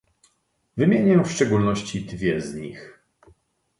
Wymienię w szczególności dwie z nich